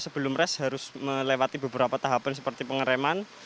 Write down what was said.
sebelum res harus melewati beberapa tahapan seperti pengereman